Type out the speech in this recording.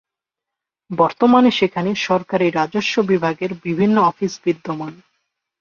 বর্তমানে সেখানে সরকারি রাজস্ব বিভাগের বিভিন্ন অফিস বিদ্যমান।